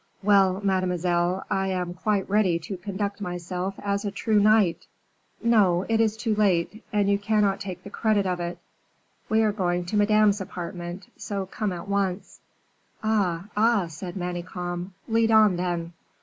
"Well, mademoiselle, I am quite ready to conduct myself as a true knight." "No; it is too late, and you cannot take the credit of it. We are going to Madame's apartment, so come at once." "Ah, ah!" said Manicamp. "Lead on, then."